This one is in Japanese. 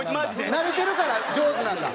慣れてるから上手なんだ。